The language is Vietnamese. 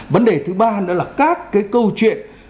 vấn đề thứ ba nữa là các cái câu chuyện